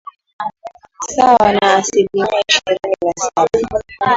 sawa na asilimia ishirini na saba